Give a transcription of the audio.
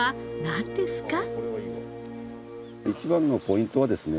一番のポイントはですね